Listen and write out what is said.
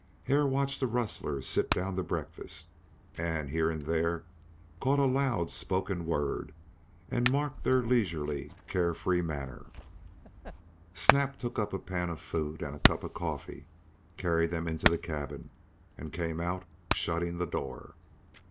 Hare watched the rustlers sit down to breakfast, and here and there caught a loud spoken word, and marked their leisurely care free manner. Snap Naab took up a pan of food and a cup of coffee, carried them into the cabin, and came out, shutting the door.